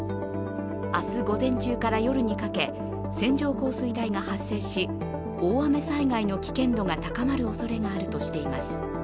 明日午前中から夜にかけ線状降水帯が発生し大雨災害の危険度が高まるおそれがあるとしています。